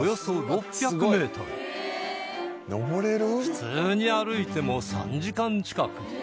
普通に歩いても３時間近く